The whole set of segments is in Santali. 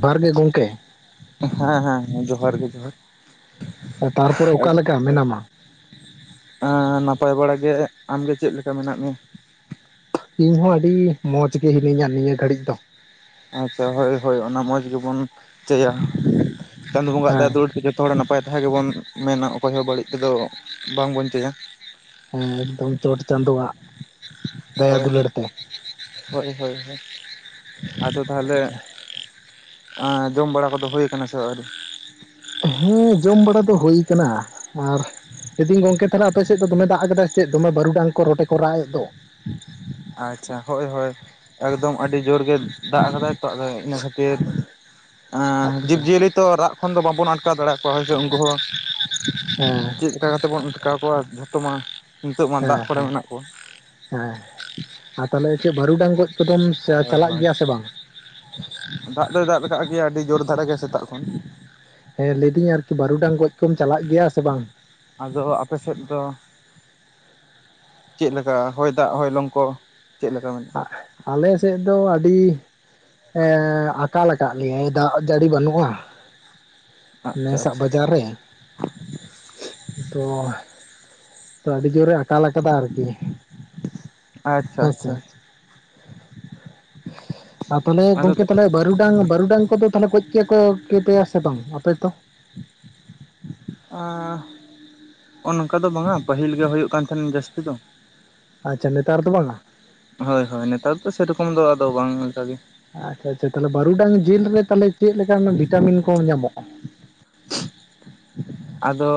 ᱡᱚᱦᱟᱨ ᱜᱮ ᱜᱚᱝᱠᱮ। ᱦᱮᱸ ᱦᱮᱸ ᱡᱚᱦᱟᱨ ᱜᱮ ᱡᱚᱦᱟᱨ। ᱛᱟᱨᱯᱚᱨᱮ ᱚᱠᱟ ᱞᱮᱠᱟ ᱢᱮᱱᱟᱢᱟ? ᱦᱮᱸ ᱱᱟᱯᱟᱭ ᱵᱟᱲᱟ ᱜᱮ। ᱟᱢᱜᱮ ᱪᱮᱫ ᱞᱮᱠᱟ ᱢᱮᱱᱟᱜ ᱢᱮᱭᱟ? ᱤᱧᱦᱚᱸ ᱟᱹᱰᱤ ᱢᱚᱸᱡᱽ ᱜᱤ ᱦᱤᱱᱟᱹᱧᱟ ᱱᱤᱭᱟᱹ ᱜᱷᱟᱹᱲᱤᱡ ᱫᱚ। ᱟᱪᱪᱷᱟ ᱦᱳᱭ ᱦᱳᱭ ᱚᱱᱟ ᱢᱚᱸᱡᱽ ᱜᱮᱵᱚᱱ ᱪᱟᱹᱭᱟ ᱪᱟᱸᱫᱚ ᱵᱚᱸᱜᱟ ᱟᱜ ᱫᱟᱭᱟ ᱦᱮᱸ ᱫᱩᱞᱟᱹᱲ ᱡᱚᱛᱚ ᱦᱚᱲ ᱱᱟᱯᱟᱭ ᱛᱟᱸᱦᱮ ᱜᱮᱵᱚᱱ ᱢᱮᱱᱟ ᱚᱠᱚᱭ ᱦᱚᱸ ᱵᱟᱹᱲᱤᱡ ᱛᱮᱫᱚ ᱵᱟᱝ ᱵᱚᱱ ᱪᱟᱹᱭᱟ ᱦᱮᱸ ᱮᱠᱫᱚᱢ ᱪᱚᱴ ᱪᱟᱸᱫᱳᱣᱟᱜ ᱫᱟᱭᱟ ᱦᱳᱭ ᱦᱳᱭ, ᱫᱩᱞᱟᱹᱲ ᱛᱮ ᱦᱳᱭ ᱦᱳᱭ ᱦᱳᱭ ᱟᱫᱚ ᱛᱟᱦᱚᱞᱮ ᱟᱸ ᱡᱚᱢ ᱵᱟᱲᱟ ᱠᱚᱫᱚ ᱦᱳᱭ ᱟᱠᱟᱱᱟ ᱥᱮ ᱟᱣᱨᱤ? ᱦᱮᱸ ᱡᱚᱢ ᱵᱟᱲᱟ ᱫᱚ ᱦᱩᱭ ᱟᱠᱟᱱᱟ ᱟᱨ ᱞᱟᱹᱭ ᱫᱟᱧ ᱜᱚᱝᱠᱮ ᱛᱟᱦᱚᱞᱮ ᱟᱯᱮ ᱥᱮᱫ ᱫᱚ ᱫᱚᱢᱮ ᱫᱟᱜ ᱟᱠᱟᱫᱟᱭ ᱪᱮᱫ ᱫᱚᱢᱮ ᱵᱟᱹᱨᱩᱰᱟᱝ ᱠᱚ ᱨᱚᱴᱮ ᱠᱚ ᱨᱟᱜ ᱮᱫ ᱫᱚ? ᱟᱪᱪᱷᱟ ᱦᱳᱭ ᱦᱳᱭ। ᱮᱠᱫᱚᱢ ᱟᱹᱰᱤ ᱡᱳᱨ ᱜᱮ ᱫᱟᱜ ᱟᱠᱟᱫᱟᱭ ᱛᱚ ᱟᱫᱚ ᱤᱱᱟᱹ ᱠᱷᱟᱹᱛᱤᱨ। ᱮᱸ ᱟᱪᱪᱷᱟ ᱦᱮᱸ ᱡᱤᱵᱽᱼᱡᱤᱭᱟᱹᱞᱤ ᱛᱚ ᱨᱟᱜ ᱠᱷᱚᱱ ᱫᱚ ᱵᱟᱵᱚᱱ ᱟᱴᱠᱟᱣ ᱫᱟᱲᱮᱭᱟ ᱠᱚᱣᱟ ᱦᱳᱭ ᱥᱮ ᱩᱱᱠᱩ ᱦᱚᱸ ᱦᱮᱸ। ᱪᱮᱛ ᱞᱮᱠᱟ ᱠᱟᱛᱮ ᱵᱚᱱ ᱟᱴᱠᱟᱣ ᱠᱚᱣᱟ ᱡᱷᱚᱛᱚ ᱢᱟ ᱱᱤᱛᱚᱜ ᱢᱟ ᱦᱮᱸ ᱫᱟᱜ ᱠᱚᱨᱮ ᱦᱮᱸ ᱢᱮᱱᱟᱜ ᱠᱚᱣᱟ। ᱦᱮᱸ ᱾ ᱟᱨ ᱛᱟᱦᱚᱞᱮ ᱪᱮᱫ, ᱵᱟᱹᱨᱩᱰᱟᱝ ᱜᱚᱡ ᱠᱚᱫᱚᱢ ᱦᱳᱭ ᱪᱟ-ᱪᱟᱞᱟᱜ ᱦᱳᱭ ᱜᱮᱭᱮ ᱥᱮ ᱵᱟᱝ? ᱫᱟᱜ ᱫᱚᱭ ᱫᱟᱫ ᱠᱟᱜ ᱜᱮᱭᱟ, ᱟᱹᱰᱤ ᱡᱳᱨ ᱫᱷᱟᱨᱟ ᱜᱮ ᱥᱮᱛᱟᱜ ᱠᱷᱚᱱ ᱾ ᱦᱮᱸ ᱞᱮᱭᱫᱤᱧ ᱟᱨᱠᱤ, ᱵᱟᱨᱩᱰᱟᱝ ᱜᱚᱡ ᱠᱚᱢ ᱪᱟᱞᱟᱜ ᱜᱮᱭᱟ ᱥᱮ ᱵᱟᱝ? ᱟᱫᱚ ᱟᱯᱮ ᱥᱮᱫ ᱫᱚ ᱪᱮᱫ ᱞᱮᱠᱟ, ᱦᱚᱭ ᱫᱟᱜ ᱦᱚᱭ ᱞᱚᱝᱠᱚ ᱪᱮᱫ ᱞᱮᱠᱟ? ᱢᱮᱱ ᱟᱜ ᱟᱞᱮ ᱥᱮᱫ ᱫᱚ ᱟᱹᱰᱤ, ᱦᱮᱸ, ᱟᱠᱟᱞ ᱟᱠᱟᱫ ᱞᱮᱭᱟᱭ ᱫᱟᱜ ᱡᱟᱲᱤ ᱵᱟᱹᱱᱩᱜᱼᱟ ᱾ ᱟᱪᱪᱷᱟ ᱱᱮᱥᱟᱜ ᱟᱪᱪᱷᱟ ᱵᱟᱡᱟᱨ ᱨᱮ ᱾ ᱛᱚ ᱟᱹᱰᱤ ᱡᱳᱨᱮ ᱟᱠᱟᱞ ᱟᱠᱟᱫᱟ ᱟᱨᱠᱤ ᱾ ᱟᱪᱪᱷᱟ ᱟᱪᱪᱷᱟ᱾ ᱟᱨ ᱛᱟᱦᱚᱞᱮ ᱟᱫᱚ ᱜᱚᱝᱠᱮ ᱛᱟᱦᱚᱞᱮ, ᱵᱟᱹᱨᱩᱰᱟᱝ ᱵᱟᱹᱨᱩᱰᱟᱝ ᱠᱚᱫᱚ ᱛᱟᱦᱚᱞᱮ ᱜᱚᱡ ᱠᱮ ᱠᱚ ᱠᱮᱯᱮᱭᱟ ᱥᱮ ᱵᱟᱝ ᱟᱯᱮ ᱫᱚ? ᱟᱸ ᱚᱱᱚᱝᱠᱟ ᱫᱚ ᱵᱟᱝᱼᱟ, ᱯᱟᱹᱦᱤᱞ ᱜᱮ ᱦᱳᱭᱳᱜ ᱠᱟᱱ ᱛᱟᱦᱮᱱ ᱡᱟᱹᱥᱛᱤ ᱫᱚ ᱟᱪᱪᱷᱟ ᱱᱮᱛᱟᱨ ᱫᱚ ᱵᱟᱝᱟ ᱾ ᱦᱳᱭ ᱦᱳᱭ᱾ ᱱᱮᱛᱟᱨ ᱫᱚ ᱥᱮᱨᱚᱠᱚᱢ ᱫᱚ ᱟᱫᱚ ᱵᱟᱝ ᱞᱮᱠᱟᱜᱮ ᱾ ᱟᱪᱪᱷᱟ ᱟᱪᱪᱷᱟ ᱾ ᱛᱟᱦᱚᱞᱮ ᱵᱟᱹᱨᱩᱰᱟᱝ ᱡᱤᱞ ᱨᱮ ᱛᱟᱦᱚᱞᱮ ᱪᱮᱫ ᱞᱮᱠᱟᱱ ᱚᱱᱟ ᱵᱷᱤᱴᱟᱢᱤᱱ ᱠᱚ ᱧᱟᱢᱚᱜᱼᱟ? ᱟᱫᱚ,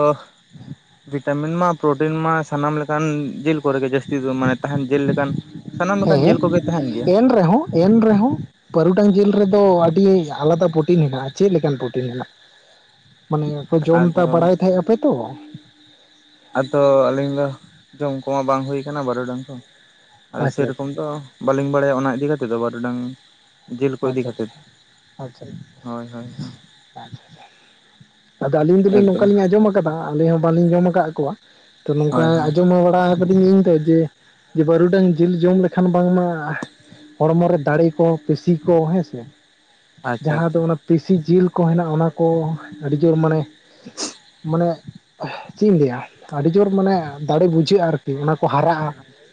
ᱵᱷᱤᱴᱟᱢᱤᱱ ᱢᱟ ᱯᱨᱚᱴᱤᱱ ᱢᱟ ᱥᱟᱱᱟᱢ ᱞᱮᱠᱟᱱ ᱡᱮᱞ ᱠᱚᱨᱮ ᱜᱮ ᱡᱟᱹᱥᱛᱤ ᱫᱚ ᱢᱟᱱᱮ, ᱛᱟᱦᱮᱱ ᱡᱮᱞ ᱞᱮᱠᱟᱱ ᱥᱟᱱᱟᱢ ᱞᱮᱠᱟᱱ ᱦᱮᱸ ᱡᱮᱞ ᱠᱚᱜᱮ ᱛᱟᱦᱮᱱ ᱜᱮᱭᱟ ᱾ ᱮᱱ ᱨᱮᱦᱚᱸ ᱮᱱ ᱨᱮᱦᱚᱸ, ᱵᱟᱹᱨᱩᱴᱟᱝ ᱡᱮᱞ ᱨᱮᱫᱚ ᱟᱹᱰᱤ ᱟᱞᱟᱫᱟ ᱯᱨᱚᱴᱤᱱ ᱦᱮᱱᱟᱜᱼᱟ᱾ ᱪᱮᱫ ᱞᱮᱠᱟᱱ ᱯᱨᱚᱴᱤᱱ ᱦᱮᱱᱟᱜ? ᱢᱟᱱᱮ ᱠᱚ ᱡᱚᱢ ᱛᱟ ᱟᱫᱚ ᱵᱟᱲᱟᱭ ᱛᱟᱦᱮᱸᱜ ᱟᱯᱮ ᱛᱚ ᱾ ᱟᱫᱚ ᱟᱹᱞᱤᱧ ᱫᱚ ᱡᱚᱢ ᱠᱚᱢᱟ ᱵᱟᱝ ᱦᱩᱭ ᱠᱟᱱᱟ ᱵᱟᱨᱚᱰᱟᱝ ᱠᱚ, ᱟᱫᱚ ᱥᱮ ᱟᱪᱪᱷᱟ ᱨᱚᱠᱚᱢ ᱟᱪᱪᱷᱟ ᱫᱚ ᱵᱟᱹᱞᱤᱝ ᱵᱟᱲᱟᱭᱟ ᱚᱱᱟ ᱤᱫᱤ ᱠᱟᱛᱮ ᱫᱚ᱾ ᱵᱟᱨᱩᱰᱟᱝ ᱡᱮᱞ ᱠᱚ ᱤᱫᱤ ᱟᱪᱪᱷᱟ ᱠᱟᱛᱮ ᱫᱚ ᱟᱪᱪᱷᱟ ᱟᱪᱪᱷᱟ ᱾ ᱦᱳᱭ, ᱦᱳᱭ ᱦᱚᱸ᱾ ᱟᱫᱚ ᱟᱹᱞᱤᱧ ᱫᱚᱞᱤᱧ ᱱᱚᱝᱠᱟᱞᱤᱧ ᱟᱸᱡᱚᱢ ᱠᱟᱫᱟ᱾ ᱟᱞᱤᱧ ᱦᱚᱸ ᱵᱟᱝᱞᱤᱧ ᱡᱚᱢ ᱟᱠᱟᱜ ᱠᱚᱣᱟ, ᱛᱚ ᱱᱚᱝᱠᱟ ᱦᱳᱭ ᱦᱳᱭ ᱟᱸᱡᱚᱢ ᱦᱚᱸ ᱵᱟᱲᱟ ᱠᱟᱫᱤᱧ ᱤᱧ ᱫᱚ ᱡᱮ ᱵᱟᱹᱨᱩᱰᱟᱝ ᱡᱤᱞ ᱡᱚᱢ ᱞᱮᱠᱷᱟᱱ ᱵᱟᱝ ᱢᱟ ᱦᱚᱲᱢᱚ ᱨᱮ ᱫᱟᱲᱮ ᱠᱚ, ᱯᱮᱥᱤ ᱠᱚ ᱦᱮᱸᱥᱮ᱾ ᱟᱪᱪᱷᱟ ᱡᱟᱦᱟᱸ ᱟᱪᱪᱷᱟ ᱫᱚ ᱚᱱᱟ ᱯᱮᱥᱤ ᱡᱤᱞ ᱠᱚ ᱦᱮᱱᱟᱜᱼᱟ, ᱚᱱᱟ ᱠᱚ ᱟᱹᱰᱤ ᱡᱳᱨ ᱢᱟᱱᱮ ᱢᱟᱱᱮ ᱪᱮᱫ ᱤᱧ ᱞᱟᱹᱭᱼᱟ, ᱟᱹᱰᱤ ᱡᱳᱨ ᱢᱟᱱᱮ ᱫᱟᱲᱮ ᱵᱩᱡᱷᱟᱹᱜᱼᱟ᱾ ᱟᱨ ᱚᱱᱟ ᱠᱚ ᱦᱟᱨᱟᱜᱼᱟ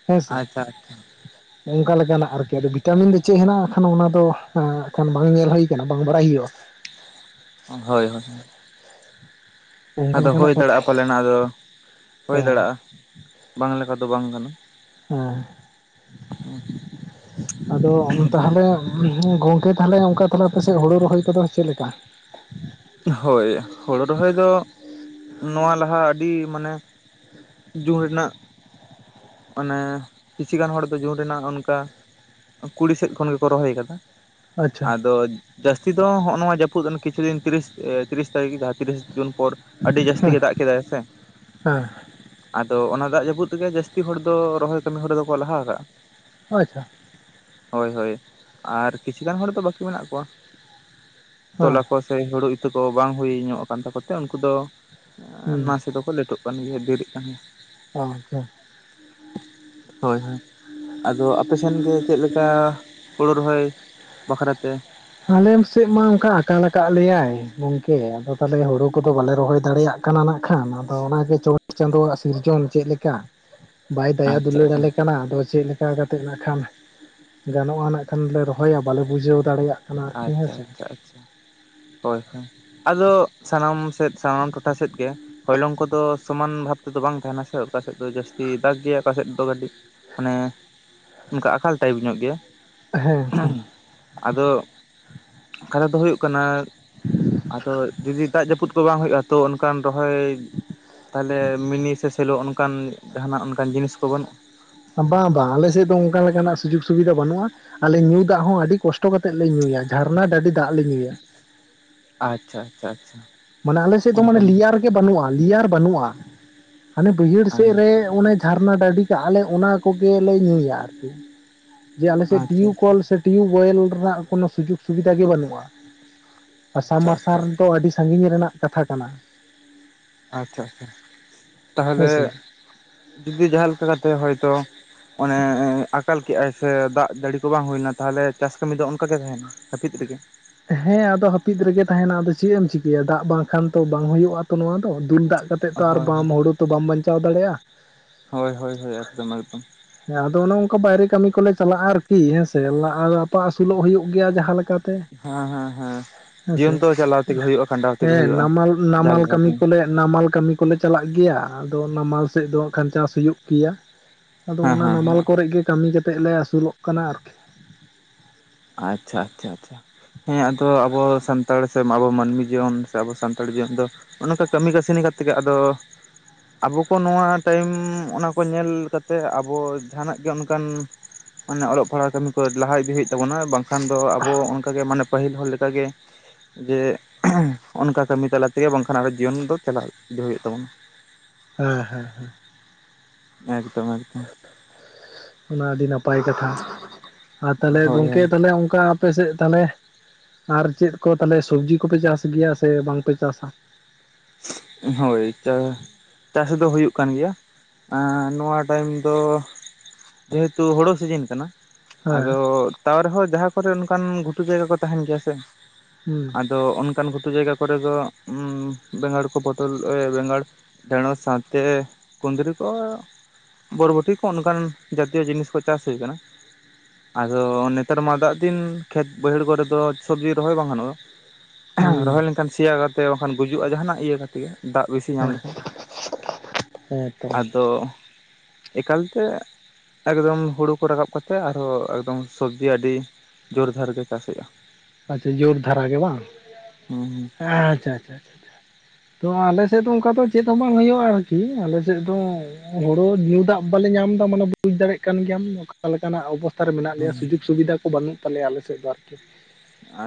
ᱦᱮᱸᱥᱮ ᱟᱪᱪᱷᱟ ᱟᱪᱪᱷᱟ ᱾ ᱚᱝᱠᱟ ᱞᱮᱠᱟᱱᱟᱜ ᱟᱨᱠᱤ, ᱟᱫᱚ ᱵᱷᱤᱴᱟᱢᱤᱱ ᱫᱚ ᱪᱮᱜ ᱦᱮᱱᱟᱜᱼᱟ? ᱠᱷᱚᱱ ᱚᱱᱟ ᱫᱚ ᱦᱟᱸᱜ ᱠᱷᱚᱱ ᱵᱟᱝ ᱧᱮᱞ ᱦᱩᱭ ᱠᱟᱱᱟ, ᱵᱟᱝ ᱵᱟᱲᱟᱭ ᱦᱩᱭᱩᱜᱼᱟ ᱾ ᱦᱳᱭ, ᱦᱳᱭ, ᱦᱳᱭ ᱾ ᱚᱱᱠᱟ ᱟᱫᱚ ᱞᱮᱠᱟᱱᱟᱜ ᱦᱳᱭ ᱠᱟᱛᱷᱟ ᱫᱟᱲᱮᱜᱼᱟ ᱯᱟᱞᱮᱱᱟ ᱫᱚ, ᱦᱩᱭ ᱦᱮᱸ ᱫᱟᱲᱮᱭᱟᱜᱼᱟ ᱵᱟᱝ ᱞᱮᱠᱟ ᱫᱚ ᱵᱟᱝ ᱠᱟᱱᱟ ᱾ ᱦᱮᱸ᱾ [inaudible] ᱟᱫᱚ ᱚᱱ ᱛᱟᱦᱚᱞᱮ ᱜᱚᱝᱠᱮ ᱛᱟᱦᱚᱞᱮ, ᱚᱝᱠᱟ ᱛᱟᱦᱚᱞᱮ ᱟᱯᱮᱥᱮᱫ ᱦᱳᱲᱳ ᱨᱚᱦᱚᱭ ᱠᱚᱫᱚ ᱪᱮᱫ ᱞᱮᱠᱟ? ᱦᱳᱭ ᱦᱳᱲᱳ ᱨᱚᱦᱚᱭ ᱫᱚ, ᱱᱚᱣᱟ ᱞᱟᱦᱟ ᱟᱹᱰᱤ ᱢᱟᱱᱮ ᱡᱩᱱ ᱨᱮᱱᱟᱜ, ᱚᱱᱮ ᱠᱤᱪᱷᱤ ᱜᱟᱱ ᱦᱚᱲ ᱫᱚ ᱡᱩᱱ ᱨᱮᱱᱟᱜ ᱚᱱᱠᱟ ᱠᱩᱲᱤ ᱥᱮᱫ ᱠᱷᱚᱱ ᱜᱮᱠᱚ ᱨᱚᱦᱚᱭ ᱠᱟᱫᱟ᱾ ᱟᱪᱪᱷᱟ ᱟᱫᱚ ᱡᱟᱹᱥᱛᱤ ᱫᱚ, ᱦᱚᱸᱜᱼᱚ ᱱᱚᱣᱟ ᱡᱟᱹᱯᱩᱫ ᱠᱤᱪᱷᱩ ᱫᱤᱱ ᱛᱤᱨᱤᱥ ᱮ ᱛᱤᱨᱤᱥ ᱛᱟᱹᱨᱤᱠᱷ ᱡᱟᱦᱟᱸ ᱛᱤᱨᱤᱥ ᱡᱩᱱ ᱯᱚᱨ, ᱟᱹᱰᱤ ᱡᱟᱹᱥᱛᱤ ᱦᱮᱸ ᱜᱮ ᱫᱟᱜ ᱠᱮᱫᱟᱭ ᱥᱮ ᱾ ᱦᱮᱸ ᱟᱫᱚ ᱚᱱᱟ ᱫᱟᱜ ᱡᱟᱹᱯᱩᱫ ᱛᱮᱜᱮ, ᱡᱟᱹᱥᱛᱤ ᱦᱚᱲ ᱫᱚ ᱨᱚᱦᱚᱭ ᱠᱟᱹᱢᱤ ᱦᱚᱨᱟ ᱫᱚᱠᱚ ᱞᱟᱦᱟ ᱠᱟᱜᱼᱟ ᱾ ᱟᱪᱪᱷᱟ ᱾ ᱦᱳᱭ ᱦᱳᱭ, ᱟᱨ ᱠᱤᱪᱷᱩ ᱜᱟᱱ ᱦᱚᱲ ᱫᱚ ᱵᱟᱹᱠᱤ ᱢᱮᱱᱟᱜ ᱠᱚᱣᱟ ᱾ ᱦᱮᱸ ᱛᱚᱞᱟ ᱠᱚ ᱥᱮ, ᱦᱳᱲᱳ ᱤᱛᱟᱹ ᱠᱚ ᱵᱟᱝ ᱦᱩᱭ ᱧᱚᱜ ᱠᱟᱱ ᱛᱟᱠᱚ ᱛᱮ ᱩᱱᱠᱩ ᱫᱚ ᱮᱸ ᱦᱩᱸ ᱱᱟᱥᱮ ᱫᱚᱠᱚ ᱞᱮᱴᱚᱜ ᱠᱟᱱ ᱜᱮᱭᱟ, ᱫᱮᱨᱤᱜ ᱠᱟᱱ ᱜᱮᱭᱟ ᱾ ᱟᱪᱪᱷᱟ ᱾ ᱦᱳᱭ, ᱦᱳᱭ᱾ ᱟᱫᱚ ᱟᱯᱮ ᱥᱮᱱ ᱜᱮ ᱪᱮᱫ ᱞᱮᱠᱟ ᱦᱩᱲᱩ ᱨᱚᱦᱚᱭ ᱵᱟᱹᱠᱷᱨᱟ ᱛᱮ? ᱟᱞᱮ ᱥᱮᱫ ᱢᱟ ᱚᱱᱠᱟ ᱟᱠᱟᱞ ᱟᱠᱟᱫ ᱞᱮᱭᱟᱭ ᱜᱚᱝᱠᱮ, ᱟᱫᱚ ᱛᱟᱦᱚᱞᱮ ᱦᱩᱲᱩ ᱠᱚᱫᱚ ᱵᱟᱞᱮ ᱨᱚᱦᱚᱭ ᱫᱟᱲᱮᱭᱟᱜ ᱠᱟᱱᱟ ᱱᱟᱜ ᱠᱷᱟᱱ ᱟᱫᱚ ᱚᱱᱟ ᱜᱮ ᱪᱳᱴ ᱪᱟᱸᱫᱳᱣᱟᱜ ᱥᱤᱨᱡᱚᱱ ᱪᱮᱫ ᱞᱮᱠᱟ? ᱵᱟᱭ ᱫᱟᱭᱟ ᱟᱪᱪᱷᱟ ᱫᱩᱞᱟᱹᱲ ᱟᱪᱪᱷᱟ ᱟᱞᱮ ᱠᱟᱱᱟ᱾ ᱟᱫᱚ ᱪᱮᱫ ᱞᱮ ᱪᱮᱠᱟ ᱠᱟᱛᱮᱫ ᱱᱟᱜ ᱠᱷᱟᱱ ᱜᱟᱱᱚᱜᱼᱟ ᱱᱟᱜ ᱠᱷᱟᱱ ᱞᱮ ᱨᱚᱦᱚᱭᱟ ᱵᱟᱞᱮ ᱵᱩᱡᱷᱟᱹᱣ ᱫᱟᱲᱮᱭᱟᱜ ᱠᱟᱱᱟ ᱟᱨᱠᱤ ᱟᱪᱷᱟ ᱦᱮᱸᱥᱮ ᱟᱪᱷᱟ ᱟᱪᱷᱟ ᱦᱳᱭ ᱦᱳᱭ ᱟᱫᱚ ᱥᱟᱱᱟᱢ ᱥᱮᱫ ᱥᱟᱱᱟᱢ ᱴᱚᱴᱷᱟ ᱥᱮᱫ ᱜᱮ ᱦᱚᱭᱞᱚᱝ ᱠᱚᱫᱚ ᱥᱚᱢᱟᱱ ᱵᱷᱟᱵ ᱛᱮᱫᱚ ᱵᱟᱝ ᱛᱟᱦᱮᱱᱟ ᱥᱮ ᱚᱠᱟ ᱥᱮᱫ ᱫᱚ ᱡᱟᱹᱥᱛᱤ ᱫᱟᱜᱽ ᱜᱮᱭᱟ ᱚᱠᱟᱥᱮᱫ ᱫᱚ ᱠᱟᱹᱴᱤᱡ ᱢᱟᱱᱮ ᱚᱱᱠᱟ ᱟᱠᱟᱞ ᱴᱟᱭᱤᱯ ᱧᱚᱜ ᱜᱮᱭᱟ ᱦᱮᱸ ᱟᱫᱚ ᱠᱟᱛᱷᱟ ᱫᱚ ᱦᱳᱭᱳᱜ ᱠᱟᱱᱟ ᱟᱫᱚ ᱡᱩᱫᱤ ᱫᱟᱜ ᱡᱟᱹᱯᱩᱫ ᱠᱚ ᱵᱟᱝ ᱦᱳᱭᱳᱜᱼᱟ ᱛᱚ ᱚᱱᱠᱟᱱ ᱨᱚᱦᱚᱭ ᱛᱟᱞᱦᱮ ᱢᱤᱱᱤ ᱥᱮ ᱥᱮᱞᱚ ᱚᱱᱠᱟᱱ ᱡᱟᱦᱟᱱᱟᱜ ᱚᱱᱠᱟᱱ ᱡᱤᱱᱤᱥ ᱠᱚ ᱵᱟᱹᱱᱩᱜᱼᱟ ᱵᱟᱝ ᱵᱟᱝ ᱟᱞᱮᱥᱮᱫ ᱫᱚ ᱚᱱᱠᱟ ᱞᱮᱠᱟᱱᱟᱜ ᱥᱩᱡᱳᱜᱽ ᱥᱩᱵᱤᱫᱷᱟ ᱵᱟᱹᱱᱩᱜᱼᱟ ᱟᱞᱮ ᱧᱩ ᱫᱟᱜ ᱦᱚᱸ ᱟᱹᱰᱤ ᱠᱚᱥᱴᱚ ᱠᱟᱛᱮᱫ ᱞᱮ ᱧᱩᱭᱟ ᱡᱷᱟᱨᱱᱟ ᱰᱟᱰᱤ ᱫᱟᱜ ᱞᱮ ᱧᱩᱭᱟ। ᱟᱪᱷᱟ ᱟᱪᱷᱟ ᱟᱪᱷᱟ। ᱢᱟᱱᱮ ᱟᱞᱮ ᱥᱮᱫ ᱫᱚ ᱢᱟᱱᱮ ᱞᱮᱭᱟᱨ ᱜᱮ ᱵᱟᱹᱱᱩᱜᱼᱟ ᱞᱮᱭᱟᱨ ᱵᱟᱹᱱᱩᱜᱼᱟ ᱦᱟᱱᱮ ᱵᱟᱹᱭᱦᱟᱹᱲ ᱥᱮᱫ ᱟᱪᱪᱷᱟ ᱨᱮᱼᱼ ᱚᱱᱮ ᱡᱷᱟᱨᱱᱟ ᱰᱟᱹᱰᱤ ᱫᱟᱜᱼᱟᱞᱮ ᱚᱱᱟ ᱠᱚᱜᱮᱞᱮ ᱧᱩᱭᱟ ᱟᱨᱠᱤ ᱡᱮ ᱟᱞᱮ ᱥᱮᱫ ᱟᱪᱪᱷᱟ ᱴᱤᱭᱩᱵ ᱠᱚᱞ ᱥᱮ ᱴᱤᱭᱩᱵ ᱳᱭᱮᱞ ᱨᱮᱱᱟᱜ ᱠᱳᱱᱳ ᱥᱩᱡᱳᱜ ᱥᱩᱵᱤᱫᱷᱟ ᱜᱮ ᱵᱟᱹᱱᱩᱜᱼᱟ। ᱟᱥᱟ ᱟᱪᱪᱷᱟ ᱢᱟᱨᱥᱟᱞ ᱫᱚ ᱟᱪᱪᱷᱟ ᱟᱹᱰᱤ ᱥᱟᱜᱤᱧ ᱨᱮᱱᱟᱜ ᱠᱟᱛᱷᱟ ᱠᱟᱱᱟ। ᱟᱪᱷᱟ ᱟᱪᱷᱟ ᱛᱟᱦᱚᱞᱮ ᱦᱮᱸᱥᱮ ᱡᱚᱫᱤ ᱡᱟᱦᱟᱸ ᱞᱮᱠᱟ ᱠᱟᱛᱮᱜ ᱦᱚᱭᱛᱚ ᱚᱱᱮᱻ ᱟᱠᱟᱞ ᱠᱮᱫᱼᱟᱭ ᱥᱮ ᱫᱟᱜ ᱡᱟᱹᱲᱤ ᱠᱚ ᱵᱟᱝ ᱦᱩᱭᱱᱟ ᱛᱟᱞᱦᱮ ᱪᱟᱥ ᱠᱟᱹᱢᱤᱫ ᱫᱚ ᱚᱱᱠᱟ ᱜᱮ ᱛᱟᱦᱮᱱᱟ ᱦᱟᱹᱯᱤᱫ ᱨᱮᱜᱮ ᱦᱮᱸ ᱟᱫᱚ ᱦᱟᱹᱯᱤᱫ ᱨᱮᱜᱮ ᱛᱟᱦᱮᱱᱟ ᱟᱫᱚ ᱪᱮᱫ ᱮᱢ ᱪᱤᱠᱟᱹᱭᱟ ᱫᱟᱜ ᱵᱟᱝᱠᱷᱟᱱ ᱛᱚ ᱵᱟᱝ ᱦᱩᱭᱩᱜᱼᱟ ᱛᱚ ᱱᱚᱣᱟ ᱫᱚ ᱫᱩᱞ ᱫᱟᱜᱼᱼ ᱠᱟᱛᱮᱫ ᱛᱚ ᱟᱨ ᱦᱳᱭ ᱵᱟᱢ ᱦᱳᱲᱩ ᱛᱚ ᱵᱟᱢ ᱵᱟᱧᱪᱟᱣ ᱫᱟᱲᱮᱭᱟᱜᱼᱟ ᱦᱳᱭ ᱦᱳᱭ ᱦᱳᱭ ᱮᱠᱫᱚᱢ ᱮᱠᱫᱚᱢ ᱦᱮᱸ ᱟᱫᱚ ᱚᱱᱮ ᱚᱱᱠᱟ ᱵᱟᱭᱨᱮ ᱠᱟᱹᱢᱤ ᱠᱚᱞᱮ ᱪᱟᱞᱟᱜᱼᱟ ᱟᱨᱠᱤ ᱦᱮᱸᱥᱮ ᱞᱟᱦᱟ ᱞᱟᱯᱟ ᱟᱹᱥᱩᱞᱚᱜ ᱦᱩᱭᱩᱜ ᱜᱮᱭᱟ ᱡᱟᱦᱟᱸ ᱞᱮᱠᱟ ᱦᱮᱸ ᱦᱮᱸ ᱦᱮᱸ ᱡᱤᱭᱚᱱ ᱫᱚ ᱪᱟᱞᱟᱣ ᱛᱮᱜᱮ ᱦᱳᱭᱳᱜᱼᱟ ᱠᱷᱟᱸᱰᱟᱣ ᱛᱮᱜᱮ ᱦᱮᱸ ᱦᱳᱭᱳᱜᱼᱟ ᱱᱟᱢᱟᱞ ᱡᱟᱦᱟᱸ ᱱᱟᱢᱟᱞ ᱞᱮᱠᱟᱛᱮ ᱠᱟᱹᱢᱤ ᱠᱚᱞᱮ ᱱᱟᱢᱟᱞ ᱠᱟᱹᱢᱤ ᱠᱚᱞᱮ ᱪᱟᱞᱟᱜ ᱜᱮᱭᱟ ᱟᱫᱚ ᱱᱟᱢᱟᱞ ᱥᱮᱫ ᱫᱚ ᱠᱷᱟᱱ ᱪᱟᱥ ᱦᱩᱭᱩᱜ ᱜᱮᱭᱟ ᱟᱫᱚ ᱦᱮᱸ ᱚᱱᱟ ᱦᱮᱸ ᱦᱮᱸ ᱱᱟᱢᱟᱞ ᱠᱚᱨᱮ ᱜᱮ ᱠᱟᱹᱢᱤ ᱠᱟᱛᱮᱫ ᱞᱮ ᱟᱹᱥᱩᱞᱚᱜ ᱠᱟᱱᱟ ᱟᱨᱠᱤ ᱟᱪᱷᱟ ᱟᱪᱷᱟ ᱟᱪᱷᱟ ᱦᱮᱸ ᱟᱫᱚ ᱟᱵᱚ ᱥᱟᱱᱛᱟᱲ ᱥᱮ ᱟᱵᱚ ᱢᱟᱹᱱᱢᱤ ᱡᱤᱭᱚᱱ ᱥᱮ ᱟᱵᱚ ᱥᱟᱱᱛᱟᱲ ᱡᱤᱭᱚᱱ ᱫᱚ ᱚᱱᱟ ᱠᱚ ᱠᱟᱹᱢᱤ ᱠᱟᱹᱥᱱᱤ ᱠᱟᱛᱮᱜᱮ ᱟᱫᱚ ᱟᱵᱚ ᱠᱚ ᱱᱚᱣᱟ ᱴᱟᱭᱤᱢ ᱚᱱᱟ ᱠᱚ ᱧᱮᱞ ᱠᱟᱛᱮᱫ ᱟᱵᱚ ᱡᱟᱦᱟᱱᱟᱜ ᱜᱮ ᱚᱱᱠᱟᱱ ᱢᱟᱱᱮ ᱚᱞᱚᱜ ᱯᱟᱲᱦᱟᱜ ᱠᱟᱹᱢᱤ ᱠᱚ ᱞᱟᱦᱟ ᱤᱫᱤ ᱦᱩᱭᱩᱜ ᱛᱟᱵᱚᱱᱟ ᱵᱟᱝᱠᱷᱟᱱ ᱫᱚ ᱟᱵᱚ ᱚᱱᱠᱟᱜᱮ ᱢᱟᱱᱮ ᱯᱟᱹᱦᱤᱞ ᱦᱚᱲ ᱞᱮᱠᱟᱜᱮ ᱡᱮ ᱚᱱᱠᱟ ᱠᱟᱹᱢᱤ ᱛᱟᱞᱟ ᱛᱮᱜᱮ ᱵᱟᱝᱠᱷᱟᱱ ᱟᱵᱚ ᱡᱤᱭᱚᱱ ᱫᱚ ᱪᱟᱞᱟᱣ ᱤᱫᱟᱹ ᱦᱩᱭᱩᱜ ᱛᱟᱵᱚᱱᱟ। ᱦᱮᱸ ᱦᱮᱸ ᱦᱮᱸ। ᱮᱠᱫᱚᱢ ᱮᱠᱫᱚᱢ। ᱚᱱᱟ ᱟᱹᱰᱤ ᱱᱟᱯᱟᱭ ᱠᱟᱛᱷᱟ ᱟᱨ ᱛᱟᱞᱦᱮ ᱦᱳᱭ ᱜᱚᱝᱠᱮ ᱛᱟᱞᱦᱮ ᱚᱱᱠᱟᱼᱼ ᱟᱯᱮ ᱥᱮᱫ ᱛᱟᱞᱦᱮ ᱟᱨ ᱪᱮᱫ ᱠᱚ ᱛᱟᱞᱦᱮ ᱥᱚᱵᱽᱡᱤ ᱠᱚᱯᱮ ᱪᱟᱥ ᱜᱮᱭᱟ ᱥᱮ ᱵᱟᱝᱯᱮ ᱪᱟᱥᱟ? ᱦᱳᱭ ᱪᱟᱼᱼ ᱪᱟᱥ ᱫᱚ ᱦᱩᱭᱩᱜ ᱠᱟᱱ ᱜᱮᱭᱟ ᱮᱸᱻ ᱱᱚᱣᱟ ᱴᱟᱭᱤᱢ ᱫᱚ ᱡᱮᱦᱮᱛᱩ ᱦᱳᱲᱳ ᱥᱤᱡᱤᱱ ᱠᱟᱱᱟᱼᱼ ᱟᱫᱚ ᱦᱮᱸ ᱛᱟᱣ ᱨᱮᱦᱚᱸ ᱡᱟᱦᱟᱸ ᱠᱚᱨᱮᱜ ᱚᱱᱠᱟᱱ ᱜᱷᱩᱴᱩ ᱡᱟᱭᱜᱟ ᱠᱚ ᱛᱟᱦᱮᱱ ᱜᱮᱭᱟ ᱥᱮ ᱦᱩᱸ ᱟᱫᱚ ᱚᱱᱠᱟᱱ ᱜᱷᱩᱴᱩ ᱡᱟᱭᱜᱟ ᱠᱚᱨᱮᱫ ᱫᱚ ᱩᱸ ᱼᱼ ᱵᱮᱸᱜᱟᱲ ᱠᱚ ᱯᱚᱴᱚᱞ ᱵᱮᱸᱜᱟᱲ ᱰᱸᱮᱲᱚᱥ ᱥᱟᱶᱛᱮ ᱠᱩᱸᱫᱽᱨᱤ ᱠᱚ ᱵᱚᱨᱵᱚᱴᱤ ᱠᱚ ᱚᱱᱠᱟᱱ ᱡᱟᱛᱤᱭᱚ ᱡᱤᱱᱤᱥ ᱠᱚ ᱪᱟᱥ ᱦᱩᱭ ᱟᱠᱟᱱᱟ ᱟᱫᱚ ᱱᱮᱛᱟᱨ ᱢᱟ ᱫᱟᱜ ᱫᱤᱱ ᱠᱷᱮᱛ ᱵᱟᱹᱭᱦᱟᱹᱲ ᱠᱚᱨᱮᱫᱚ ᱥᱚᱵᱽᱡᱤ ᱨᱚᱦᱚᱭ ᱵᱟᱝ ᱜᱟᱱᱚᱜᱼᱟ᱾ ᱦᱩᱸ ᱨᱚᱦᱚᱭ ᱞᱮᱱᱠᱷᱟᱱ ᱥᱮᱭᱟ ᱠᱟᱛᱮ ᱵᱟᱝᱠᱷᱟᱱ ᱜᱩᱡᱩᱜᱼᱟ ᱡᱟᱦᱟᱱᱟᱜ ᱤᱭᱟᱹ ᱠᱟᱛᱮ ᱫᱟᱜ ᱵᱮᱥᱤ ᱧᱟᱢ ᱦᱮᱸ ᱞᱮᱠᱷᱟᱱ ᱦᱮᱸ ᱛᱚ ᱟᱫᱚ ᱮᱠᱟᱞᱛᱮ ᱮᱠᱫᱚᱢ ᱦᱩᱲᱩ ᱠᱚ ᱨᱟᱠᱟᱵ ᱠᱟᱛᱮᱫ ᱟᱨᱦᱚᱸ ᱮᱠᱫᱚᱢ ᱥᱚᱵᱡᱤ ᱟᱹᱰᱤ ᱡᱳᱨᱫᱷᱟᱨ ᱜᱮ ᱪᱟᱥᱮᱼᱟ᱾ ᱟᱪᱷᱟ ᱡᱳᱨ ᱫᱷᱟᱨᱟ ᱜᱮ ᱵᱟᱝ ᱦᱩᱸ ᱟᱪᱷᱟ ᱟᱪᱷᱟ᱾ ᱛᱚ ᱟᱞᱮ ᱥᱮᱫ ᱫᱚ ᱚᱱᱠᱟ ᱫᱚ ᱪᱮᱫ ᱦᱚᱸ ᱵᱟᱝ ᱦᱩᱭᱩᱜᱼᱟ ᱟᱨᱠᱤ ᱟᱞᱮᱥᱮᱫ ᱫᱚ ᱦᱳᱲᱩ ᱧᱩ ᱫᱟᱜ ᱵᱟᱞᱮ ᱧᱟᱢ ᱮᱫᱟ ᱢᱟᱱᱮ ᱵᱩᱡ ᱫᱟᱲᱮᱭᱟᱜ ᱠᱟᱱ ᱜᱮᱭᱟᱢ ᱚᱠᱟ ᱞᱮᱠᱟᱱᱟᱜ ᱚᱵᱚᱥ ᱞᱟ ᱨᱮ ᱦᱩᱸ ᱢᱮᱱᱟᱜ ᱞᱮᱭᱟ ᱦᱩᱸ ᱥᱩᱡᱳᱜᱽ ᱥᱩᱵᱤᱫᱷᱟ ᱠᱚ ᱵᱟᱹᱱᱩᱜ ᱛᱟᱞᱮᱭᱟ ᱟᱞᱮᱥᱮᱫ ᱫᱚ ᱟᱨᱠᱤ᱾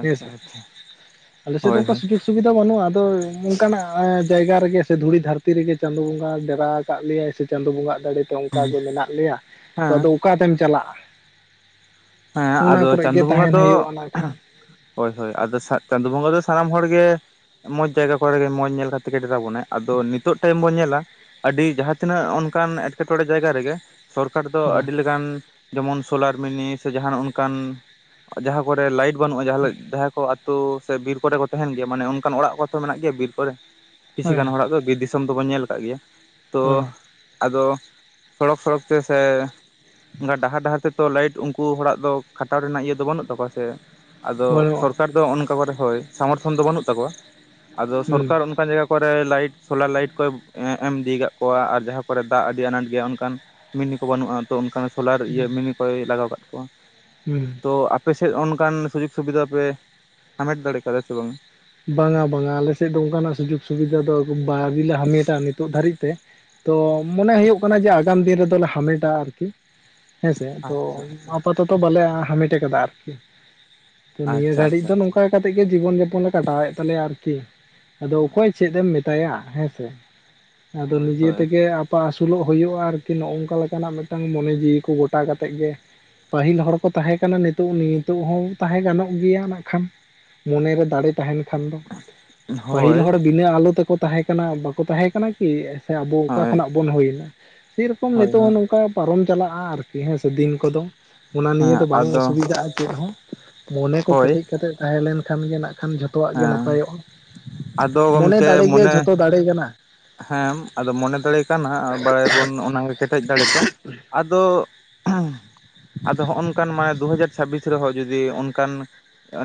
ᱟᱪᱪᱷᱟ ᱟᱪᱪᱷᱟ ᱟᱞᱮ ᱥᱮᱫ ᱫᱚ ᱦᱳᱭ ᱚᱱᱠᱟ ᱥᱩᱡᱳᱜ ᱥᱩᱵᱤ ᱫᱚ ᱵᱟᱹᱱᱩᱜᱼᱟ ᱟᱫᱚ ᱚᱱᱠᱟᱱᱟᱜ ᱡᱟᱭᱜᱟ ᱨᱮᱜᱮ ᱥᱮ ᱫᱷᱩᱲᱤ ᱫᱷᱟᱹᱨᱛᱤ ᱨᱮᱜᱮ ᱪᱟᱸᱫᱳ ᱵᱚᱸᱜᱟ ᱰᱮᱨᱟ ᱠᱟᱜ ᱞᱮᱭᱟᱭ ᱥᱮ ᱪᱟᱸᱫᱳ ᱵᱚᱸᱜᱟᱟᱜ ᱫᱟᱲᱮᱛᱮ ᱦᱳᱭ ᱚᱱᱠᱟᱜᱮ ᱢᱮᱱᱟᱜ ᱞᱮᱭᱟ ᱛᱚ ᱦᱮᱸ ᱟᱫᱚ ᱚᱠᱟᱛᱮᱢ ᱪᱟᱞᱟᱜᱼᱟ᱾ ᱦᱮᱸ ᱚᱱᱟ ᱟᱫᱚ ᱠᱚᱨᱮ ᱜᱮ ᱪᱟᱸᱫᱚ ᱵᱚᱸᱜᱟ ᱛᱟᱦᱮᱱ ᱫᱚ ᱦᱩᱭᱩᱜᱼᱟ ᱱᱟᱜ ᱠᱷᱟᱱ ᱦᱳᱭ ᱦᱳᱭ ᱟᱫᱚ ᱪᱟᱸᱫᱚ ᱵᱚᱸᱜᱟ ᱫᱚ ᱥᱟᱱᱟᱢ ᱦᱚᱲ ᱜᱮ ᱢᱚᱸᱡᱽ ᱡᱟᱭᱜᱟ ᱠᱚᱨᱮ ᱜᱮ ᱢᱚᱸᱡᱽ ᱧᱮᱞ ᱠᱟᱛᱮᱜ ᱜᱮ ᱰᱮᱨᱟᱵᱚᱱᱟᱭ ᱟᱫᱚ ᱱᱤᱛᱚᱜ ᱴᱟᱭᱤᱢ ᱵᱚᱱ ᱧᱮᱞᱟ᱾ ᱟᱹᱰᱤ ᱡᱟᱦᱟᱸ ᱛᱱᱟᱹᱜ ᱚᱱᱠᱟᱱ ᱮᱸᱴᱠᱮᱴᱬᱮ ᱡᱟᱭᱜᱟ ᱨᱮᱜᱮ ᱥᱚᱨᱠᱟᱨ ᱫᱚ ᱦᱮᱸ ᱟᱹᱰᱤ ᱞᱮᱠᱟᱱ ᱡᱮᱢᱚᱱ ᱥᱳᱞᱟᱨ ᱢᱤᱱᱤ ᱥᱮ ᱡᱟᱦᱟᱱ ᱚᱱᱠᱟᱱ ᱡᱟᱦᱟᱸ ᱠᱚᱨᱮ ᱞᱟᱭᱤᱴ ᱵᱟᱹᱱᱩᱜᱼᱟ ᱡᱟᱦᱟᱸ ᱟᱛ ᱥᱮ ᱵᱤᱨ ᱠᱚᱨᱮ ᱠᱚ ᱛᱟᱦᱮᱱ ᱜᱮᱭᱟ ᱢᱟᱱᱮ ᱚᱱᱠᱟᱱ ᱚᱲᱟᱜ ᱠᱚ ᱛᱚ ᱢᱮᱱᱟᱜ ᱜᱮᱭᱟ ᱵᱤᱨ ᱠᱚᱨᱮ ᱠᱤᱪᱷ ᱦᱮᱸ ᱜᱟᱱ ᱦᱚᱲᱟᱜ ᱫᱚ ᱵᱤᱨ ᱫᱤ ᱫᱤᱥᱚᱢ ᱫᱚᱵᱚᱱ ᱧᱮᱞ ᱟᱠᱟᱫ ᱜᱮᱭᱟ ᱛᱚ ᱦᱮᱸ ᱟᱫᱚ ᱥᱚᱲᱚᱠ ᱥᱚᱲᱚᱠ ᱛᱮ ᱥᱮ ᱚᱱᱠᱟ ᱰᱟᱦᱟᱨ ᱰᱟᱦᱟᱨ ᱛᱮᱛᱚ ᱞᱟᱭᱤᱴ ᱩᱱᱠᱩ ᱦᱚᱲᱟᱜ ᱫᱚ ᱠᱷᱟᱴᱟᱣ ᱨᱮᱱᱟᱜ ᱤᱭᱟᱹ ᱫᱚ ᱵᱟᱹᱱᱩᱜ ᱛᱟᱠᱚᱣᱟ ᱥᱮ᱾ ᱟᱫᱚ ᱵᱟᱹᱱᱩᱜᱼᱟ ᱥᱚᱨᱠᱟᱨ ᱫᱚ ᱚᱱᱠᱟ ᱠᱚᱨᱮ ᱦᱳᱭ ᱥᱟᱢᱚᱨᱛᱷᱚᱱ ᱫᱚ ᱵᱟᱹᱱᱩᱜ ᱛᱟᱠᱚᱣᱟ ᱟᱫᱚ ᱦᱩᱸ ᱥᱚᱨᱠᱟᱨ ᱚᱱᱠᱟᱱ ᱡᱟᱭᱜᱟ ᱠᱚᱨᱮ ᱞᱟᱭᱤᱴ ᱥᱳᱞᱟᱨ ᱞᱟᱭᱤᱴ ᱠᱚᱭ ᱮᱢ ᱤᱫᱤᱭᱟᱠᱟᱫ ᱠᱚᱣᱟ ᱟᱨ ᱡᱟᱦᱟᱸ ᱠᱚᱨᱮ ᱫᱟᱜ ᱟᱹᱰᱤ ᱟᱱᱟᱴ ᱜᱮᱭᱟ ᱚᱱᱠᱟᱱ ᱢᱤᱱᱤ ᱠᱚ ᱵᱟᱹᱱᱩᱜᱼᱟ ᱛᱚ ᱚᱱᱠᱟᱟᱱ ᱥᱳᱞᱟᱨ ᱤᱭᱟ ᱦᱩᱸ ᱢᱤᱱᱤ ᱠᱚᱭ ᱞᱟᱜᱟᱣ ᱠᱟᱜ ᱠᱚᱣᱟ᱾ ᱦᱩᱸ᱾ ᱛᱚ ᱟᱯᱮᱥᱮᱫ ᱚᱱᱠᱟᱱ ᱥᱩᱡᱳᱜᱽ ᱥᱩᱵᱤᱫᱟ ᱯᱮ ᱦᱟᱢᱮᱴ ᱫᱟᱲᱮ ᱠᱟᱣᱫᱟ ᱥᱮ ᱵᱟᱝᱟ? ᱵᱟᱝᱟ ᱵᱟᱝᱟ ᱟᱞᱮ ᱥᱮᱫ ᱫᱚ ᱚᱱᱠᱟᱱᱟᱜ ᱥᱩᱡᱳᱜᱽ ᱥᱩᱵᱤᱫᱷᱟ ᱫᱚ ᱵᱟᱹᱣᱨᱤ ᱦᱟᱢᱮᱴᱟ ᱱᱤᱛᱚᱜ ᱫᱷᱟᱹᱨᱤᱡ ᱛᱮ᱾ ᱛᱚ ᱢᱚᱱᱮ ᱦᱩᱭᱩᱜᱭ ᱠᱟᱱᱟ ᱡᱮ ᱟᱜᱟᱢ ᱫᱤᱱ ᱨᱮᱫᱚᱞᱮ ᱦᱟᱢᱮᱴᱟ ᱟᱨᱠᱤ᱾ ᱦᱮᱸᱥᱮ ᱛᱚ ᱟᱪᱪᱷᱟ ᱟᱯᱟᱛᱚᱛᱚ ᱵᱟᱞᱮ ᱦᱟᱢᱮᱴ ᱠᱟᱫᱟ ᱟᱨᱠᱤ ᱛᱚ ᱱᱤᱭᱟᱹ ᱟᱪᱪᱷᱟ ᱜᱷᱟᱹᱲᱤᱡ ᱟᱪᱪᱷᱟ ᱟᱪᱪᱷᱟ ᱫᱚ ᱱᱚᱝ ᱚᱱᱠᱟ ᱠᱟᱛᱮᱜ ᱜᱮ ᱡᱤᱵᱚᱱ ᱡᱟᱯᱚᱱ ᱞᱮ ᱠᱟᱴᱟᱣᱮᱫ ᱛᱟᱞᱮᱭᱟ ᱟᱨᱠᱤ ᱟᱫᱚ ᱚᱠᱚᱭ ᱪᱮᱫ ᱮᱢ ᱢᱮ ᱛᱟᱭᱟ ᱦᱮᱸᱥᱮ ᱟᱫᱚ ᱦᱳᱭ ᱱᱤᱡᱮ ᱦᱳᱭ ᱛᱮᱜᱮ [unintelligible] ᱟᱹᱥᱩᱞᱚᱜ ᱦᱩᱭᱩᱜᱼᱟ ᱟᱨᱠᱤ ᱱᱚᱜᱼ ᱱᱚᱝᱠᱟ ᱞᱮᱠᱟᱱᱟᱜ ᱢᱤᱫᱴᱟᱝ ᱢᱚᱱᱮ ᱡᱤᱣᱤ ᱠᱚ ᱜᱚᱴᱟ ᱠᱟᱛᱮᱫ ᱜᱮ ᱯᱟᱹᱦᱤᱞ ᱦᱚᱲ ᱠᱚ ᱛᱟᱦᱮᱸ ᱠᱟᱱᱟ ᱱᱤᱛᱚᱜ ᱱᱤᱛᱚᱜ ᱦᱚᱸ ᱛᱟᱦᱮᱸ ᱜᱟᱱᱚᱜ ᱜᱮᱭᱟ ᱱᱟᱜ ᱠᱷᱟᱱ᱾ ᱢᱚᱱᱮ ᱨᱮ ᱫᱬᱲᱮ ᱛᱟᱦᱮᱱ ᱠᱷᱟᱱ ᱫᱚ ᱯᱟᱹᱦᱤᱞ ᱦᱳᱭ ᱦᱚᱲ ᱵᱤᱱᱟᱹ ᱟᱞᱚ ᱛᱮᱠᱚ ᱛᱟᱦᱮᱸ ᱠᱟᱱᱟ ᱵᱟᱠᱚ ᱛᱟᱦᱮᱸ ᱠᱟᱱᱟ ᱠᱤ᱾ ᱥᱮ ᱟᱵᱚ ᱚᱠᱟ ᱦᱳᱭ ᱠᱷᱚᱱᱟᱜ ᱵᱚᱱ ᱦᱩᱭᱱᱟ ᱥᱮᱨᱚᱠᱚᱢ ᱦᱳᱭ ᱱᱤᱛᱚᱜ ᱦᱳᱭ ᱦᱚᱸ ᱱᱚᱝᱠᱟ ᱯᱟᱨᱚᱢ ᱪᱟᱞᱟᱜᱼᱟ ᱟᱨᱠᱤ ᱦᱮᱸ ᱥᱮ ᱫᱤᱱ ᱠᱚᱫᱚ ᱚᱱᱟ ᱦᱮᱸ ᱱᱤᱭᱮ ᱫᱚ ᱵᱟᱝ ᱟᱫᱚ ᱚᱥᱩᱵᱤᱫᱷᱟᱜᱼᱟ ᱪᱮᱫ ᱦᱚᱸ᱾ ᱢᱚᱱᱮ ᱠᱚ ᱦᱳᱭ ᱠᱮᱴᱮᱡ ᱠᱟᱛᱮᱜ ᱛᱟᱦᱮᱸ ᱞᱮᱱ ᱠᱷᱟᱱ ᱜᱮ ᱱᱟᱜ ᱠᱷᱟᱱ ᱡᱷᱚᱛᱚᱣᱟᱜ ᱜᱮ ᱦᱮᱸ ᱱᱟᱯᱟᱭᱚᱜᱼᱟ᱾ ᱟᱫᱚ ᱢᱚᱱᱮ ᱜᱚᱢᱠᱮ ᱫᱟᱲᱮᱜ ᱜᱮ ᱢᱚᱱᱮ ᱡᱷᱚᱛᱚ ᱫᱟᱲᱮ ᱠᱟᱱᱟ᱾ ᱦᱮᱸ ᱟᱫᱚ ᱢᱚᱱᱮ ᱫᱟᱲᱮ ᱠᱟᱱᱟ ᱵᱟᱲᱟᱭᱵᱚᱱ ᱚᱱᱟᱱᱟᱜᱮ ᱠᱮᱴᱮᱡ ᱫᱟᱲᱮ ᱫᱚ᱾ ᱟᱫᱚ ᱟᱫᱚ ᱦᱚᱜᱼᱚ ᱱᱚᱝᱠᱟᱱ ᱢᱟᱱᱮ ᱫᱩ ᱦᱟᱡᱟᱨ ᱪᱷᱟᱵᱵᱤᱥ ᱨᱮᱦᱚᱸ ᱡᱩᱫᱤ ᱚᱱᱠᱟᱱ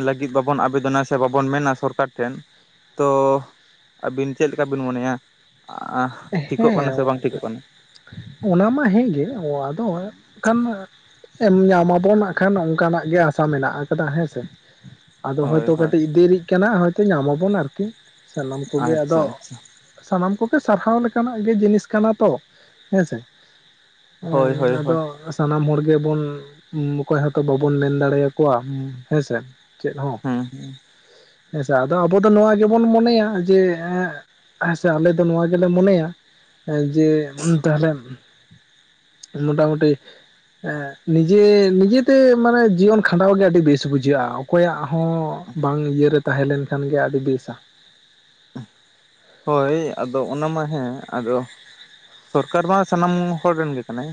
ᱞᱟᱹᱜᱤᱫ ᱵᱟᱵᱚᱱ ᱟᱵᱮᱫᱚᱱ ᱱᱟ ᱥᱮ ᱵᱟᱵᱚᱱ ᱢᱮᱱᱟ ᱥᱚᱨᱠᱟᱨ ᱴᱷᱮᱱ ᱛᱚ ᱟᱹᱵᱤᱱ ᱪᱮᱫ ᱞᱮᱠᱟ ᱵᱤᱱ ᱢᱚᱱᱮᱭᱟ ᱴᱷᱤᱠᱚᱜ ᱠᱟᱱᱟ ᱥᱮ ᱦᱮᱸ ᱵᱟᱝ ᱴᱷᱤᱠᱚᱜ ᱠᱟᱱᱟ? ᱚᱱᱟ ᱢᱟ ᱦᱮᱸᱜᱮ ᱟᱫᱚ ᱮ ᱠᱷᱟᱱ ᱮᱢ ᱧᱟᱢ ᱟᱵᱚᱱ ᱱᱟᱜ ᱠᱷᱟᱱ ᱚᱱᱠᱟᱱᱟᱜ ᱜᱮ ᱟᱥᱟ ᱢᱮᱱᱟᱜ ᱟᱠᱟᱫᱟ ᱦᱮᱸᱥᱮ᱾ ᱟᱫᱚ ᱦᱳᱭ ᱦᱳᱭᱛᱳ ᱦᱳᱭ ᱠᱟᱹᱴᱤᱡ ᱫᱮᱨᱤᱜ ᱠᱟᱱᱟ ᱦᱳᱭᱛᱳ ᱧᱟᱢ ᱟᱵᱚᱱ ᱟᱨᱠᱤ ᱥᱟᱱᱟᱢ ᱠᱚᱜᱮ ᱟᱫᱚ ᱟᱪᱪᱷᱟ ᱟᱪᱪᱷᱟ ᱥᱟᱱᱟᱢ ᱠᱚᱜᱮ ᱥᱟᱨᱦᱟᱣ ᱞᱮᱠᱟᱱᱟᱜ ᱜᱮ ᱡᱤᱱᱤᱥ ᱠᱟᱱᱟ ᱛᱚ ᱦᱮᱸᱥᱮ ᱾ ᱦᱳᱭ ᱦᱮᱸ ᱦᱳᱭ ᱟᱫᱚ ᱦᱳᱭ ᱥᱟᱱᱟᱢ ᱦᱚᱲ ᱜᱮᱵᱚᱱ ᱚᱠᱚᱭ ᱦᱚᱸᱛᱚ ᱵᱟᱵᱚᱱ ᱢᱮᱱ ᱫᱟᱲᱮᱭ ᱟᱠᱚᱣᱟ ᱦᱮᱸᱥᱮ, ᱪᱮᱫ ᱦᱚᱸ, ᱦᱮᱸ ᱦᱮᱸ ᱦᱮᱸᱥᱮ ᱟᱫᱚ ᱟᱵᱚ ᱫᱚ ᱱᱚᱣᱟ ᱜᱮᱵᱚᱱ ᱢᱚᱱᱮᱭᱟ ᱡᱮ ᱦᱮᱸᱥᱮ ᱟᱞᱮ ᱫᱚ ᱱᱚᱣᱟ ᱜᱮᱞᱮ ᱢᱚᱱᱮᱭᱟ ᱡᱮ ᱛᱟᱦᱞᱮ ᱢᱚᱴᱟᱢᱩᱴᱤ ᱦᱮᱸ ᱱᱤᱡᱮ ᱱᱤᱡᱮᱛᱮ ᱢᱟᱱᱮ ᱡᱤᱭᱚᱱ ᱠᱷᱟᱸᱰᱟᱣ ᱜᱮ ᱟᱹᱰᱤ ᱵᱮᱥ ᱵᱩᱡᱷᱟᱹᱜᱼᱟ ᱚᱠᱚᱭᱟᱜ ᱦᱚᱸ ᱵᱟᱝ ᱤᱭᱟᱹᱨᱮ ᱛᱟᱦᱮᱸ ᱞᱮᱱ ᱠᱷᱟᱱ ᱜᱮ ᱟᱹᱰᱤ ᱵᱮᱥᱟ, ᱦᱳᱭ ᱟᱫᱚ ᱚᱱᱟ ᱢᱟ ᱦᱮᱸ ᱟᱫᱚ ᱥᱚᱨᱠᱟᱨ ᱢᱟ ᱥᱟᱱᱟᱢ ᱦᱚᱲ ᱨᱮᱱ ᱜᱮ ᱠᱟᱱᱟᱭ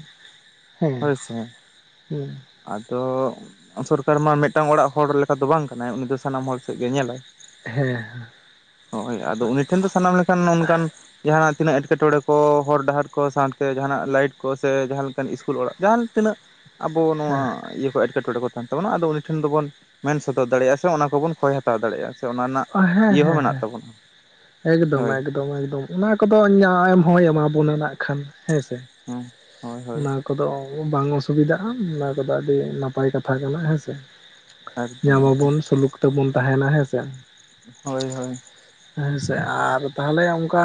ᱦᱳᱭ ᱦᱮᱸ ᱥᱮ, ᱦᱮᱸ ᱟᱫᱚ ᱥᱚᱨᱠᱟᱨ ᱢᱟ ᱢᱤᱫᱴᱟᱝ ᱚᱲᱟᱜ ᱦᱚᱲ ᱞᱮᱠᱟ ᱫᱚ ᱵᱟᱝ ᱠᱟᱱᱟᱭ ᱩᱱᱤ ᱫᱚ ᱥᱟᱱᱟᱢ ᱦᱚᱲ ᱥᱮᱫ ᱜᱮ ᱧᱮᱞᱟᱭ, ᱦᱮᱸ ᱮ ᱦᱳᱭ ᱟᱫᱚ ᱩᱱᱤ ᱴᱷᱮᱱ ᱫᱚ ᱥᱟᱱᱟᱢ ᱞᱮᱠᱟᱱ ᱚᱱᱠᱟᱱ ᱡᱟᱦᱟᱸᱱᱟᱜ ᱛᱤᱱᱟᱹᱜ ᱮᱴᱠᱮᱴᱚᱬᱮ ᱠᱚ ᱦᱚᱨ ᱰᱟᱦᱟᱨ ᱠᱚ ᱥᱟᱶᱛᱮ ᱡᱟᱦᱟᱱᱟᱜ ᱞᱟᱭᱤᱴ ᱠᱚ ᱥᱮ ᱡᱟᱦᱟᱸ ᱞᱮᱠᱟᱱ ᱤᱥᱠᱩᱞ ᱚᱲᱟᱜ ᱡᱟᱦᱟᱸ ᱛᱤᱱᱟᱹᱜ ᱟᱵᱚ ᱱᱚᱣᱟ ᱦᱮᱸ ᱤᱭᱟᱹ ᱠᱚ ᱮᱴᱠᱮᱴᱚᱬᱮ ᱠᱚ ᱛᱟᱦᱮᱱ ᱛᱟᱵᱚᱱᱟ ᱟᱫᱚ ᱩᱱᱤ ᱴᱷᱮᱱ ᱫᱚᱵᱚᱱ ᱢᱮᱱ ᱥᱚᱫᱚᱨ ᱫᱟᱲᱮᱭᱟᱜᱼᱟ ᱥᱮ ᱚᱱᱟ ᱠᱚᱵᱚᱱ ᱠᱷᱚᱭ ᱦᱟᱛᱟ ᱦᱟᱛᱟᱣ ᱫᱟᱲᱮᱭᱟᱜᱼᱟ ᱥᱮ ᱚᱱᱟ ᱨᱮᱱᱟᱜ ᱦᱮᱸ ᱤᱭᱟᱹ ᱦᱚᱸ ᱦᱮᱸ ᱢᱮᱱᱟᱜ ᱛᱟᱵᱚᱱᱟ ᱮᱠᱫᱚᱢ ᱦᱳᱭ ᱮᱠᱫᱚᱢ ᱮᱠᱫᱚᱢ ᱚᱱᱟ ᱠᱚᱫᱚ ᱮᱢ ᱦᱚᱸᱭ ᱮᱢᱟ ᱵᱚᱱᱟ ᱱᱟᱜ ᱠᱷᱟᱱ, ᱦᱮᱸ ᱥᱮ ᱦᱮᱸ ᱦᱳᱭ ᱦᱳᱭ ᱚᱱᱟ ᱠᱚᱫᱚ ᱵᱟᱝ ᱚᱥᱩᱵᱤᱫᱟᱜᱼᱟ ᱚᱱᱟ ᱠᱚᱫᱚ ᱟᱹᱰᱤ ᱱᱟᱯᱟᱭ ᱠᱟᱛᱷᱟ ᱠᱟᱱᱟ ᱦᱮᱸ ᱥᱮ ᱾ ᱮᱠᱫᱚᱢ ᱧᱟᱢ ᱟᱵᱚᱱ ᱥᱩᱞᱩᱠ ᱛᱮᱵᱚᱱ ᱛᱟᱦᱮᱱᱟ ᱦᱮᱸᱥᱮ ᱾ ᱦᱳᱭ ᱦᱳᱭ ᱾ ᱦᱮᱸ ᱥᱮ ᱟᱨ ᱛᱟᱦᱚᱞᱮ ᱚᱱᱠᱟ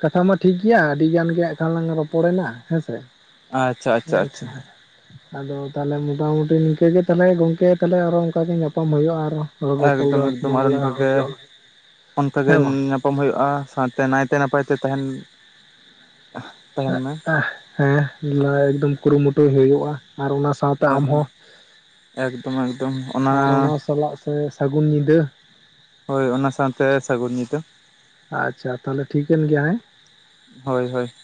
ᱠᱟᱛᱷᱟ ᱢᱟ ᱴᱷᱤᱠ ᱜᱮᱭᱟ ᱟᱹᱰᱤ ᱜᱟᱱ ᱜᱮ ᱦᱟᱸᱜ ᱠᱷᱟᱱ ᱞᱟᱝ ᱨᱚᱯᱚᱲᱮᱱᱟ ᱦᱮᱸᱥᱮ, ᱟᱪᱪᱷᱟ ᱾ ᱟᱫᱚ ᱛᱟᱦᱞᱮ ᱢᱚᱴᱟᱢᱩᱴᱤ ᱱᱤᱝᱠᱟᱹ ᱜᱮ ᱛᱟᱦᱚᱞᱮ ᱜᱚᱝᱠᱮ ᱛᱟᱦᱚᱞᱮ ᱚᱱᱠᱟ ᱧᱟᱯᱟᱢ ᱦᱩᱭᱩᱜᱼᱟ ᱟᱨᱦᱚᱸ ᱮᱠᱫᱚᱢ ᱮᱠᱫᱚᱢ ᱟᱨ ᱚᱱᱠᱟ ᱜᱮ ᱚᱱᱠᱟᱜᱮ ᱦᱮᱸ [inaudible] ᱧᱟᱯᱟᱢ ᱦᱩᱭᱩᱜᱼᱟ ᱥᱟᱶᱛᱮ ᱱᱟᱭᱛᱮ ᱱᱟᱯᱟᱭ ᱛᱮ ᱛᱟᱦᱮᱱ ᱛᱟᱦᱮᱱ ᱢᱮ ᱦᱮᱸ ᱮᱠᱫᱚᱢ ᱠᱩᱨᱩᱢᱩᱴᱩᱭ ᱦᱩᱭᱩᱜᱼᱟ ᱟᱨ ᱚᱱᱟ ᱥᱟᱶᱛᱮ ᱦᱳᱭ ᱦᱳᱭ ᱟᱢᱦᱚᱸ ᱮᱠᱫᱚᱢ ᱮᱠᱫᱚᱢ ᱟᱨ ᱚᱱᱟ ᱥᱟᱞᱟᱜ ᱥᱮ ᱥᱟᱹᱜᱩᱱ ᱧᱤᱫᱟᱹ, ᱦᱳᱭ ᱚᱱᱟ ᱥᱟᱶᱛᱮ ᱛᱮ ᱥᱟᱹᱜᱩᱱ ᱧᱤᱫᱟᱹ᱾ ᱟᱪᱪᱷᱟ ᱛᱟᱦᱚᱞᱮ ᱴᱷᱤᱠᱮᱱ ᱜᱮᱭᱟ ᱦᱮᱸ, ᱦᱳᱭ ᱦᱳᱭ ᱾